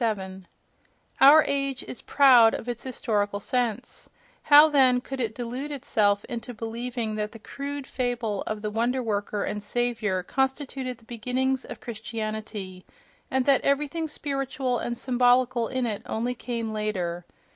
—Our age is proud of its historical sense: how, then, could it delude itself into believing that the crude fable of the wonder worker and Saviour constituted the beginnings of Christianity—and that everything spiritual and symbolical in it only came later?